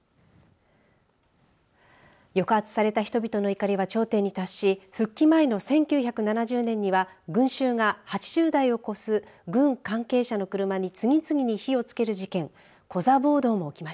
抑圧された人々の怒りは頂点に達し復帰前の１９７０年には群衆が８０台を超す軍関係者の車に次々と火をつける事件